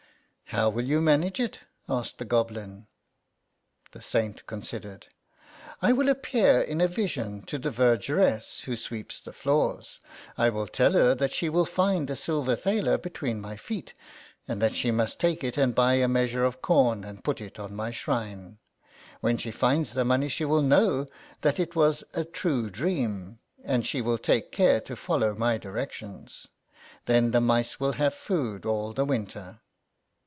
" How will you manage it ?" asked the Goblin. The Saint considered. " I will appear in a vision to the vergeress who sweeps the floors. I will tell her that she will find a silver thaler between my feet, and that she must take it and buy a measure of corn and put it on my shrine. When she finds the money she will know that it was a true dream, and she will take care to follow my directions. Then the mice will have food all the winter."